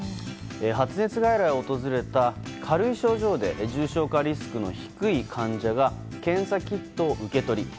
発熱外来を訪れた、軽い症状で重症化リスクの低い患者が検査キットを受け取り